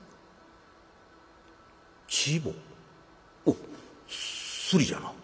おっスリじゃな。